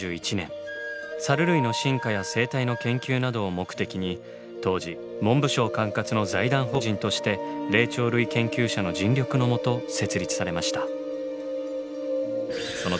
サル類の進化や生態の研究などを目的に当時文部省管轄の財団法人として霊長類研究者の尽力のもと設立されました。